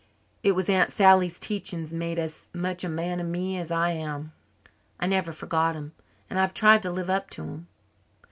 It was Aunt Sally's teachings made as much a man of me as I am. I never forgot 'em and I've tried to live up to 'em."